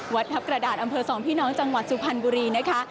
วัดทัพกระดาษอำเภอสองพี่น้องจังหวัดสุพรรณบุรีนะคะ